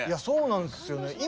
そうなんですよね。